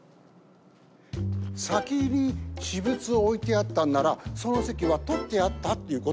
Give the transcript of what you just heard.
先に私物を置いてあったんならその席は取ってあったってことよね。